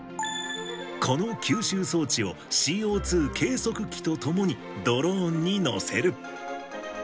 この吸収装置を、ＣＯ２計測器とともにドローンに載せる。